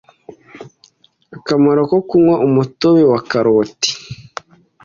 akamaro ko kunywa umutobe wa karoti.